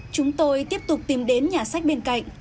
chúng tôi tiếp tục tìm đến nhà sách bên cạnh